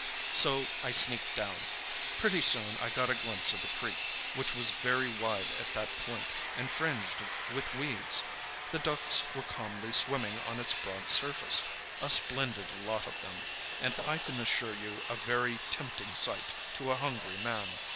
"So I sneaked down. Pretty soon I got a glimpse of the creek, which was very wide at that point, and fringed with weeds. The ducks were calmly swimming on its broad surface, a splendid lot of them, and I can assure you a very tempting sight to a hungry man.